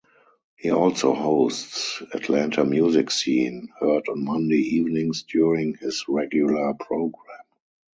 He also hosts "Atlanta Music Scene", heard on Monday evenings during his regular program.